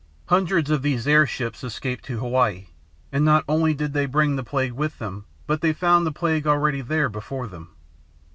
"Hundreds of these airships escaped to Hawaii, and not only did they bring the plague with them, but they found the plague already there before them.